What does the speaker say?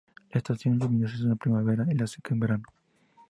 La estación lluviosa es en primavera y la seca en verano.